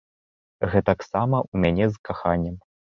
Гэтаксама ў мяне з каханнем.